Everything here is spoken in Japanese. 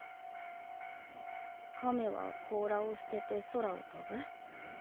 亀は甲羅を捨てて空を飛ぶ？